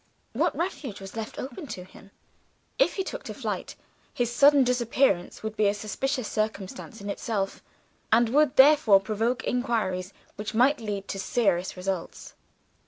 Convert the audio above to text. What refuge was left open to him? If he took to flight, his sudden disappearance would be a suspicious circumstance in itself, and would therefore provoke inquiries which might lead to serious results.